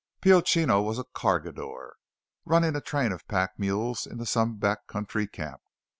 Pio Chino was a cargador running a train of pack mules into some back country camp.